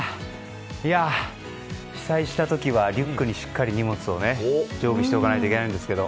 被災した時はリュックにしっかり荷物を常備しておかないといけないんですけど。